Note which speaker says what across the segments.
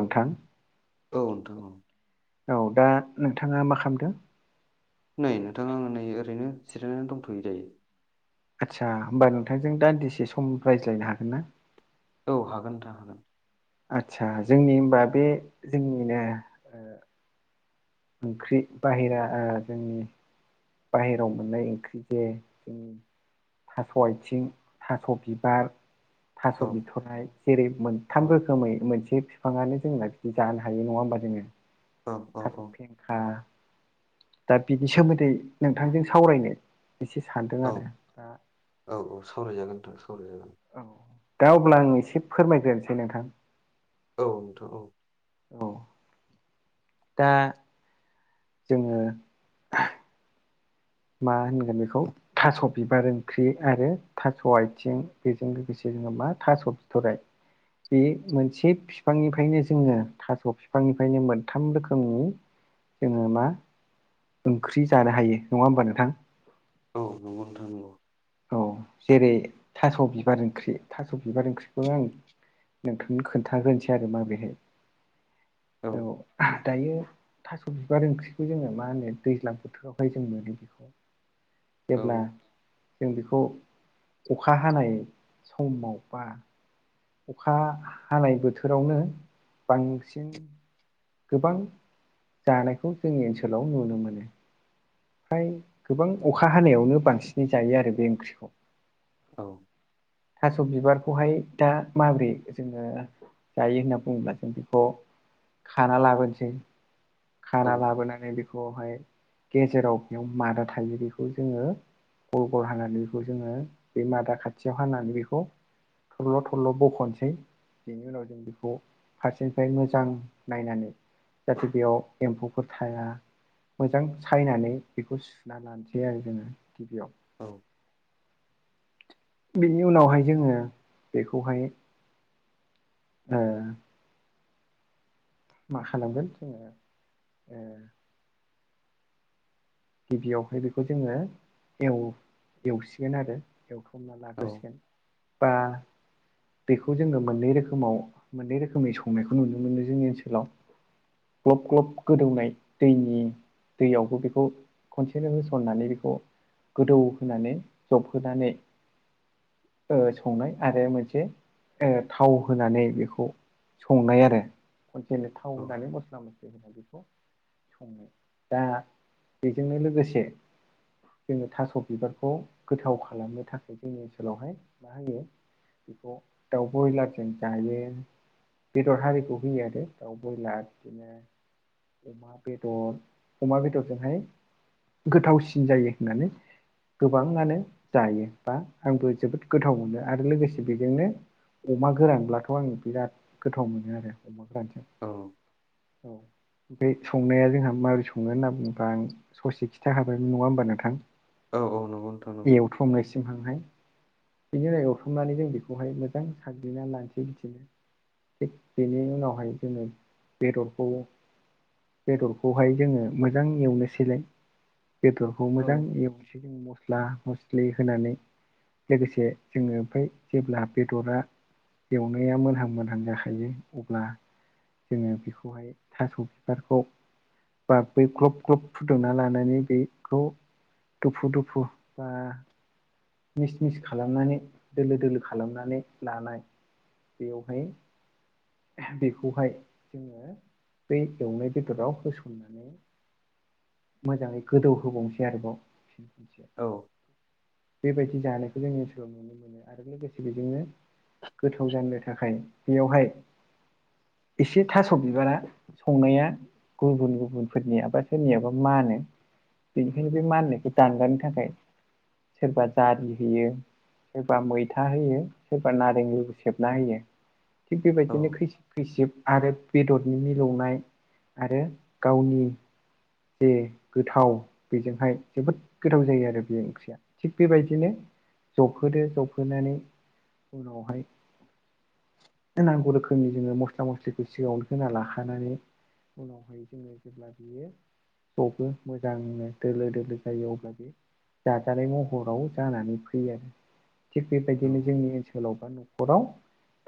Speaker 1: नोंथां
Speaker 2: औ नोंथां औ
Speaker 1: औ दा नोंथाङा मा खालामदों?
Speaker 2: नै नोंथाङा आं नै ओरैनो जिरायनानै दंथ'यो दायो।
Speaker 1: आदसा होमबा नोंथांजों दान्दिसे सम रायज्लायनो हागोन ना?
Speaker 2: औ हागोन नोंथां हागोन।
Speaker 1: आदसा जोंनि होमबा बे जोंनिनो ओंख्रि बाहेरा जोंनि बाहेरायाव मोननाय ओंख्रि जे जोंनि थास' आथिं थास' बिबार थास'
Speaker 2: औ
Speaker 1: बिथ'राय जेरै
Speaker 2: औ
Speaker 1: मोनथाम रोखोमै मोनसे बिफाङानो जोंनादि जानो हायो नङा होमबा जोङो
Speaker 2: औ औ
Speaker 1: थास'
Speaker 2: औ
Speaker 1: फेंखा दा बिनि सोमोन्दै नोंथांजों सावरायनो एसे सानदों
Speaker 2: औ
Speaker 1: आरो। दा
Speaker 2: औ औ सावरायजागोन नोंथां सावरायजागोन।
Speaker 1: औ दा अब्ला आं एसे फोरमायग्रोनोसै नोंथां।
Speaker 2: औ नोंथां औ
Speaker 1: औ दा जोङो मा होनगोन बेखौ थास' बिबार ओंख्रि आरो थास' आथिं बेजों लोगोसे जोङो मा थास' बिथ'राय बे मोनसे बिफांनिफ्रायनो जोङो थास' बिफांनिफ्रायनो मोनथाम रोखोमनि जोङो मा ओंख्रि जानो हायो नङा होमबा नोंथां?
Speaker 2: औ नंगौ नोंथां नांगौ।
Speaker 1: औ जेरै थास' बिबार ओंख्रि थास' बिबार ओंख्रिखौ आं नोंथांनो खोन्थाग्रोनोसै आरो मा बेहाय औ दायो थास' बिबार ओंख्रिखौ जोङो मा होनो दैज्लां बोथोरावहाय जों मोनो बेखौ।
Speaker 2: औ
Speaker 1: जेब्ला जों बेखौ अखा हानाय समाव बा अखा हानाय बोथोरावनो बांसिन गोबां जानायखौ जोंनि ओनसोलाव नुनो मोनो। ओमफ्राय गोबां अखा हानायावनो बांसिनै जायो आरो बे ओंख्रिखौ
Speaker 2: औ
Speaker 1: थास' बिबारखौहाय दा माबोरै जोङो जायो होनना बुङोब्ला जों बेखौ खाना लाबोनोसै
Speaker 2: औ
Speaker 1: खाना लाबोनानै बेखौहाय गेजेराव बेयाव मादा थायो बेखौ जोङो गल गल हानानै बेखौ जोङो बे मादा खाथियाव हानानै बेखौ थरल' थरल' बख'नोसै बेनि उनाव जों बेखौ फारसेनिफ्राय मोजां नायनानै जाहाथे बेयाव एम्फौफोर थाया मोजां सायनानै बेखौ सुनानै लानोसै आरो जोङो गिबियाव
Speaker 2: औ
Speaker 1: बेनि उनावहाय जोङो बेखौहाय ओ मा खालामगोन जोङो गिबियावहाय बेखौ जोङो एव एवसिगोन आरो एवखांना
Speaker 2: औ
Speaker 1: लाग्रोसिगोन बा बेखौ जोङो मोननै रोखोमाव मोननै रोखोमै संनायखौ नुनो मोनो जोंनि ओनसोलाव ग्लब ग्लब गोदौनाय दैनि दैयावबो बेखौ खनसेनो होसननानै बेखौ गोदौ होनानै जबहोनानै ओ संनाय आरो मोनसे थाव होनानै बेखौ संनाय आरो खनसेनो थाव
Speaker 2: औ
Speaker 1: होनानै मस्ला मस्लि होनानै बेखौ सङो दा बेजोंनो लोगोसे जोङो थास' बिबारखौ गोथाव खालामनो थाखाय जोंनि ओनसोलावहाय मा होयो बेखौ दाउ ब्रयलारजों जायो बेदर हारिखौ होयो आरो दाउ ब्रयलार बिदिनो अमा बेदर अमा बेदरजोंहाय गोथावसिन जायो होननानै गोबाङानो जायो बा आंबो जोबोद गोथाव मोनो आरो लोगोसे बेजोंनो अमा गोरानब्लाथ' आङो बिराद गोथाव मोनो आरो अमा गोरानजों
Speaker 2: औ
Speaker 1: बै संनाया जोंहा माबोरै संनो होनना बुंङोबा आं ससे खिथाखाबायमोन नङा होमबा नोंथां
Speaker 2: औ औ नंगौ नोंथां नंगौ
Speaker 1: संनायसिम हांनाय बिनि उनाव एवखांनानै जों बेखौहाय मोजां साग्लिनानै लानोसै बिदिनो थिग बेनि उनावहाय जोङो बेदरखौ बेदरखौहाय जोङो मोजां एवनोसैलाय बेदर खौ
Speaker 2: औ
Speaker 1: मोजां एवनोसै जों मस्ला मस्लि होनानै लोगोसे जोङो ओमफ्राय जेब्ला बेदरा एवनाया मोनहां मोनहां जाखायो अब्ला जोङो बेखौहाय थास' बिबारखौ बा बै ग्लब ग्लब फुदुंना लानानै बेखौ दुफु दुफु बा मिस मिस खालामनानै दोलो दोलो खालामनानै लानाय बेयावहाय बेखौहाय जोङो बै एवनाय बेदराव होसननानै मोजाङै गोदौ होबावनोसै आरोबाव बेसै आरो
Speaker 2: औ
Speaker 1: बेबायदि जानायखौ जों ओनसोलाव नुनो मोनो आरो लोगोसे बेजोंनो गोथाव जानो थाखाय बेयावहाय एसे थास' बिबारा संनाया गुबुन गुबुन गुबुनफोरनिया बा जोंनिया बा मानो बेनिखायनो बे माननायखौ दानगारनो थाखाय सोरबा दालि होयो सोरबा मैथा होयो सोरबा नारें लेबु सेबना होयो थिग
Speaker 2: औ
Speaker 1: बेबायदिनो खैसिब खैसिब आरो बेदरनि मिलौनाय आरो गावनि जे गोथाव बेजोंहाय जोबोद गोथाव जायो आरो बे ओंख्रिया थिग बेबायदिनो जबहोदो जबहोनानै उनावहाय नांगौ रोखोमनि जोङो मस्ला मस्लिखौ सिगाङावनो होना लाखानानै उनावहाय जोङो जेब्ला बियो जबो मोजांनो दोलो दोलो जायो अब्ला बे जाजानाय महराव जानानै फैयो आरो थिग बेबायदिनो जोंनि ओनसोलाव बा न'खराव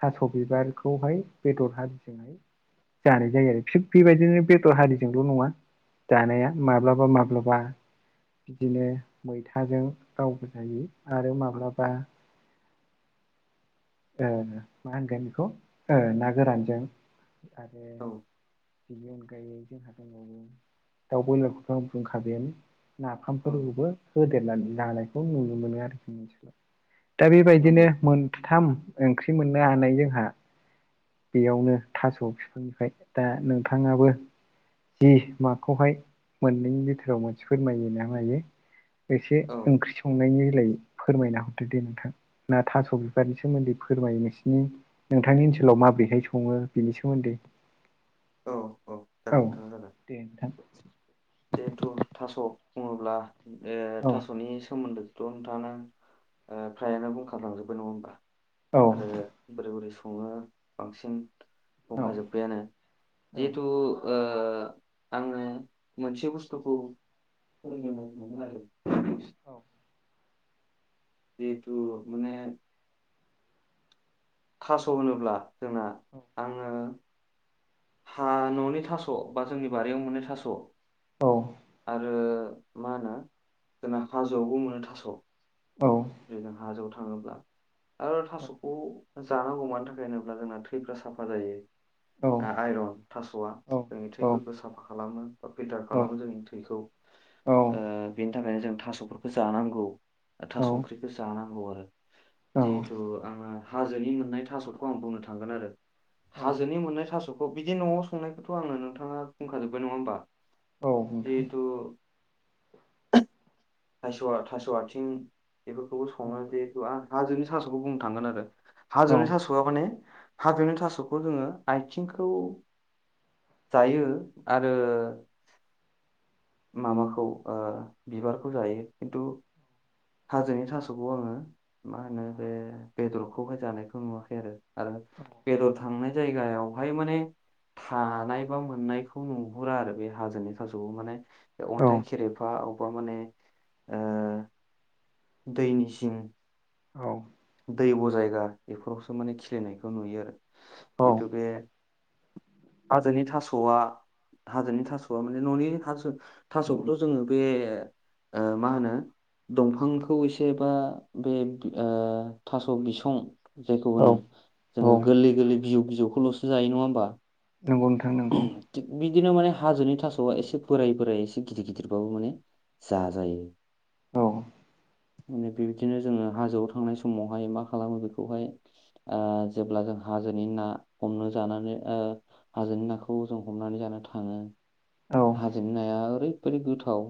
Speaker 1: थास' बिबारखौहाय बेदर हारिजोंहाय जानाय जायो आरो थिग बेबायदिनो बेदर हारिजोंल' नङा जानाया माब्लाबा माब्लाबा बिदिनो मैथाजों गावबो जायो आरो माब्लाबा ओ मा होनगोन बेखौ ओ ना गोरानजों आरो
Speaker 2: औ
Speaker 1: बेनि अनगायै जोंहा दंबावो दाउ ब्रयलारखौथ' आं बुंखाबायानो
Speaker 2: औ
Speaker 1: नाफामफोरखौबो होदेरनानै जानायखौ नुनो मोनो आरोखि ओनसोलाव दा बेबायदिनो
Speaker 2: नंगौ
Speaker 1: मोनथाम ओंख्रि मोननो हानाय जोंहा बेयावनो थास' बिफांनिफ्राय दा नोंथाङाबो जि माखौहाय मोननैनि बिथोराव मोनसे फोरमायोना मायो एसे
Speaker 2: औ
Speaker 1: ओंख्रि संनायनि बेलायै फोरमायना हरदो दे नोंथां ना थास' बिबारनि सोमोन्दै फोरमायो नोंसिनि नोंथांनि ओनसोलाव माबोरैहाय सङो बेनि सोमोन्दै
Speaker 2: औ
Speaker 1: औ
Speaker 2: जागोन नोंथां जागोन
Speaker 1: दे नोंथां
Speaker 2: जिहेथु थास' बुङोब्ला ओ
Speaker 1: औ
Speaker 2: थास'नि सोमोन्दै दन नोंथाङानो ओ फ्रायानो बुंखालांजोब्बाय नङा होनबा
Speaker 1: औ
Speaker 2: आरो बोरै बोरै सङो बांसिन
Speaker 1: औ
Speaker 2: बुंंखााजोब्बायानो जिहेथु ओ आङो मोनसे बुस्थुखौ फोरोंनो मोनो आरो जिथु माने थास' होनोब्ला जोंना आङो हा न'नि थास' बा जोंनि बारियाव मोननाय थास'
Speaker 1: औ
Speaker 2: आरो मा होनो जोंना हाजोआवबो मोनो थास'
Speaker 1: औ
Speaker 2: जों हाजोआव थाङोब्ला आरो थास'खौ जानांगौ मानि थाखाय होनोब्ला जोंना थैफ्रा साफा जायो
Speaker 1: औ
Speaker 2: आइरन थास'आ जोंनि थैफोरखौ साफा खालामो बे फिल्टार खालामो जों थैखौ
Speaker 1: औ
Speaker 2: बेनि थाखायनो जों थास'फोरखौ जानांगौ थास ओंख्रिखौ जा गौ आरो जिहेथु आङो हाजोनि मोननाय थास'खौ आं बुंनो थांगोन आरो हाजोनि मोननाय थास'खौ बिदि न'आव संनायखौथ' आङो नोंथाङा बुंखाजोब्बाय नङा होमबा
Speaker 1: नोंथां
Speaker 2: जिहेथु थास' थास' आथिं बेफोरखौबो सङो
Speaker 1: औ
Speaker 2: जे हाजोनि थास'खौबो बुंनो थांगोन आरो हाजोनि थास
Speaker 1: औ
Speaker 2: थास'वआ माने हाजोनि थास'खौ जोङो आथिंखौ जायो आरो माबाखौ ओ बिबारखौ जायो खिन्थु हाजोनि थास'खौ आङो मा होनो बे बेदरखौहाय जानायखौ नुवाखै आरो आरो बेदर थांनाय जायगायावहाय माने थानाय बा मोननायखौ नुहुरा आरो बे हाजोनि थास'खौ माने अन्थाइ खेरेफा अबेबा माने ओ दैनि जिं
Speaker 1: औ
Speaker 2: दैब' जायगा बेफोरावसो माने खिलिनायखौ नुयो आरो जितु बे हाजोनि थास'आ हाजोनि थास'आ माने न'नि थास थास'खौथ' जोङो बे ओ मा होनो दंफांखौ एसेबा बे ओ थास' बिसं जायखौ
Speaker 1: औ
Speaker 2: होनो जोङो गोरलै गोरलै बिजौ बिजौखौल'सो जायो नङा होमबा?
Speaker 1: नंगौ नोंथां नंगौ
Speaker 2: थिग बिदिनो माने हाजोनि थास'आ एसे बोराय बोराय एसे गिदिर गिदिरबाबो माने जा जायो।
Speaker 1: औ
Speaker 2: माने बेबायदिनो जोङो हाजोआव थांनाय समावहाय मा खालामो बेखौहाय ओ जेब्ला जों हाजोनि ना हमनो जानानै ओ हाजोनि नाखौ जों हमनानै जानो थाङो
Speaker 1: औ
Speaker 2: हाजोनि नाया ओरैबायादि गोथाव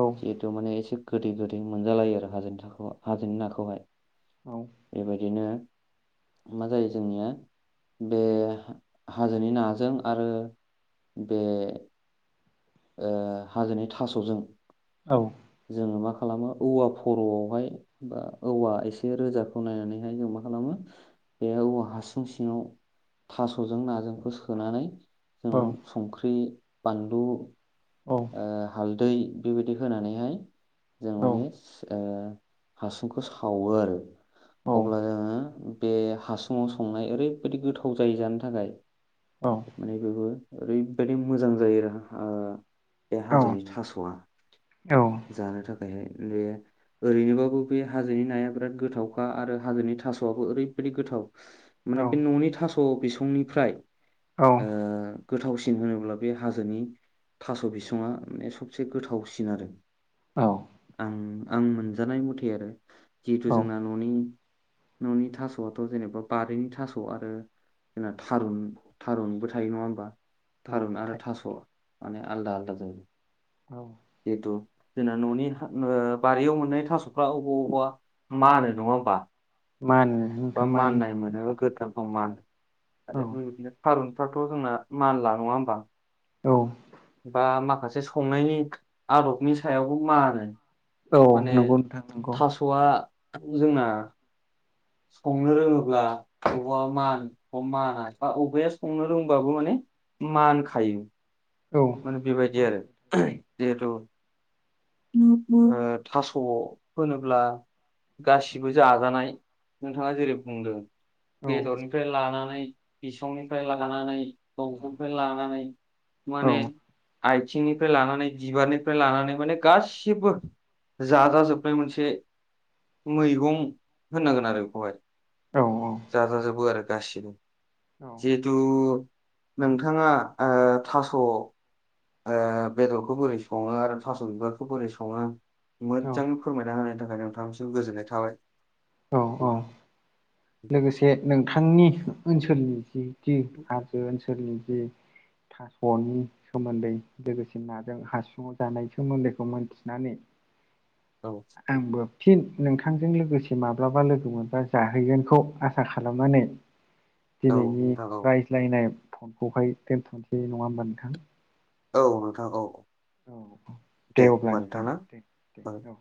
Speaker 1: औ
Speaker 2: जिहेतु माने एसे गोदै गोदै मोनजालायो आरो हाजोनि हाजोनि नाखौहाय
Speaker 1: औ
Speaker 2: बेबायदिनो मा जायो जोंनिया बे हाजोनि ना जों आरो बे ओ हाजोनि थास'जों
Speaker 1: औ
Speaker 2: जोङो मा खालामो औवा खर'आवहाय बा औवा एसे रोजाखौ नायनानैहाय जों मा खालामो बे औवा हासुं सिङाव थास'जों नाजोंखौ सोनानै जों
Speaker 1: औ
Speaker 2: संख्रि बानलु
Speaker 1: औ
Speaker 2: ओ हालदै बेबायदि होनानैहाय जों
Speaker 1: औ
Speaker 2: माने ओ हासुंखौ सावो आरो।
Speaker 1: औ
Speaker 2: अब्ला जोङो बे हासुङाव संनाय ओरैबायदि गोथाव जायो जानो थाखाय
Speaker 1: औ
Speaker 2: माने बेबो ओरैबायदि मोजां जायो आरो ओ बे
Speaker 1: औ
Speaker 2: हाजोनि थास'आ
Speaker 1: औ
Speaker 2: जानो थाखायहाय बे ओरैनोबाबो बे हाजोनि नाया बिराद गोथावखा आरो हाजोनि थास'आबो ओरैबायदि गोथाव।
Speaker 1: [inaudible]
Speaker 2: माने बे न'नि थास' बिसंनिफ्राय ओ गोथावसिन होनोब्ला बे हाजोनि थास' बिसङा माने सबसे गोथावसिन आरो।
Speaker 1: औ
Speaker 2: आं आं मोनजानाय मथे आरो
Speaker 1: औ
Speaker 2: जिहेथु जोंना न'नि न'नि थास'आथ' जेनेबा बारिनि थास' आरो जोंना थारुन थारुनबो थायो नङा होमबा
Speaker 1: औ
Speaker 2: थारुन आरो
Speaker 1: थायो
Speaker 2: थास' माने आलदा आलदा जायो।
Speaker 1: औ
Speaker 2: जिहेथु जोंना न'नि ओ बारियाव मोननाय थास'फ्रा अबा अबेबा मानो नङा होमबा?
Speaker 1: मानो
Speaker 2: बा माननाय मोनाबा गोदनाखौ मानो। आरो बेबायदिनो थारुनफ्राथ' जोंना मानला नङा होमबा?
Speaker 1: औ।
Speaker 2: बा माखासे संनायनि आदबनि सायावबो माननो
Speaker 1: औ
Speaker 2: माने
Speaker 1: नंगौ नोंथां नंगौ
Speaker 2: थास'वा जोंना संनो रोङोब्ला बबावा माना माना बा बबाया संनो रोंबाबो माने ओ मानखायो
Speaker 1: औ।
Speaker 2: माने बेबायदि
Speaker 1: मा
Speaker 2: आरो जिहेथु थास' होनोब्ला गासिबो जाजानाय नोंथाङा जेरै बुंदों।
Speaker 1: होनो
Speaker 2: बेदरनिफ्राय लानानै बिसंनिफ्राय लानानै दंफांनिफ्राय लानानै।
Speaker 1: औ
Speaker 2: माने आथिंनिफ्राय लानानै बिबारनिफ्राय लानानै माने गासिबो जाजाजोबनाय मोनसे ओ मैगं होननांगोन आरो।
Speaker 1: औ
Speaker 2: जाजाजाबौ आरो गासिबो जे औ नोंथांङा थास' बेदरखौ बोरै संङो आरो थास' बिबारखौ बोरै संङो
Speaker 1: औ
Speaker 2: मोजां। फोरमायना होनायनि थाखाय नोंथांसिम गोजोननाय थाबाय नोंथां।
Speaker 1: ओ लोगोसे नोंथांनि ओनसोलनि जि जि हाजो ओनसोलनि जि [unintelligible] सोमोन्दै लोगोसे नाजों हासुङाव जानाय सोमोन्दैखौ मोनथिनानै
Speaker 2: औ।
Speaker 1: आंबो ओ फिन नोंथांजों लोगोसे माब्लाबा लोगो मोनबा जाहैगोन बेखौ आसा खालामनानै
Speaker 2: औ
Speaker 1: दिनैनिओ
Speaker 2: नोंथां औ
Speaker 1: सिलायनाय नखौहाय दोनथ'नोसै नंङा होमबा नोंथां।
Speaker 2: औ नोंथां औ
Speaker 1: औ
Speaker 2: दे
Speaker 1: अब्ला
Speaker 2: होमबा
Speaker 1: नोंथां दे दे
Speaker 2: नोंथांङा।
Speaker 1: औ